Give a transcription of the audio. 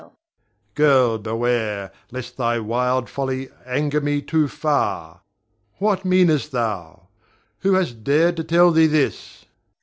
Ber. Girl, beware, lest thy wild folly anger me too far! What meanest thou? Who has dared to tell thee this?